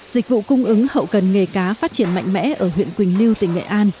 dịch vụ cung ứng hậu cần nghề cá phát triển mạnh mẽ ở huyện quỳnh lưu tỉnh nghệ an